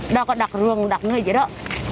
đâu có đọc rừng đọc người gì đâu